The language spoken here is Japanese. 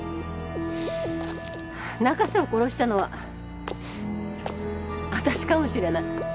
中瀬を殺したのは私かもしれない。